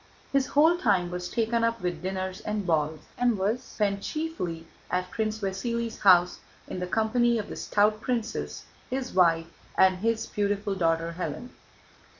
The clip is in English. His whole time was taken up with dinners and balls and was spent chiefly at Prince Vasíli's house in the company of the stout princess, his wife, and his beautiful daughter Hélène.